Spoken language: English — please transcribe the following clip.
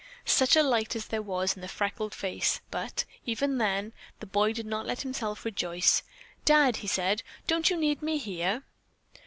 Such a light as there was in the freckled face, but, even then, the boy did not let himself rejoice. "Dad," he said, "don't you need me here?"